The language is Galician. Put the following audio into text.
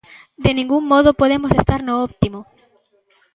¡De ningún modo podemos estar no óptimo!